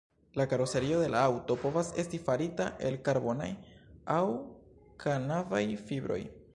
La karoserio de la aŭto povas esti farita el karbonaj aŭ kanabaj fibroj.